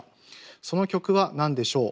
その曲はなんでしょう？